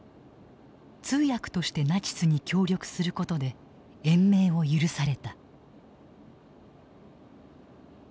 通訳としてナチスに協力することで延命を許された。